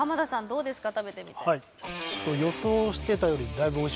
どうですか？